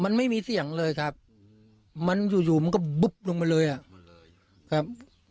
มันไม่มีเสียงเลยครับมันอยู่อยู่มันก็บึ๊บลงมาเลยอ่ะครับ